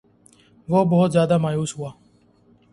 وہ بہت زیادہ مایوس ہوا